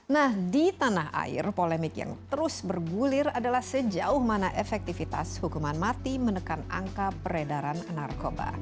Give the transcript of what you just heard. nah di tanah air polemik yang terus bergulir adalah sejauh mana efektivitas hukuman mati menekan angka peredaran narkoba